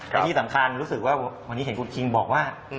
และที่สำคัญรู้สึกว่าวันนี้เห็นคุณคิงบอกว่า